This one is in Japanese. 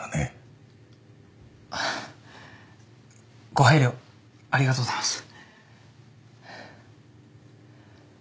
ご配慮ありがとうございます。